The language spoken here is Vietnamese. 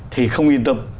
thì không yên tâm